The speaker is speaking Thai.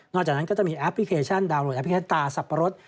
จากนั้นก็จะมีแอปพลิเคชันดาวนโหลดแอปพลิเคตตาสับปะรด